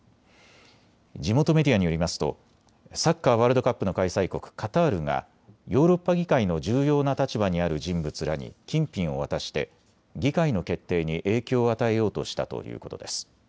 地元メディアによりますとサッカーワールドカップの開催国カタールがヨーロッパ議会の重要な立場にある人物らに金品を渡して議会の決定に影響を与えようとしたということです。